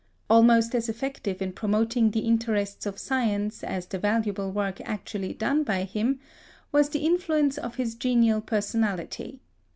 Almost as effective in promoting the interests of science as the valuable work actually done by him, was the influence of his genial personality.